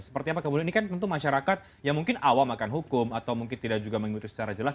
seperti apa kemudian ini kan tentu masyarakat yang mungkin awam akan hukum atau mungkin tidak juga mengikuti secara jelas